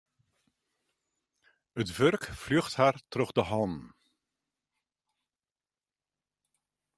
It wurk fljocht har troch de hannen.